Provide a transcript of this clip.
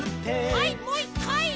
はいもう１かい！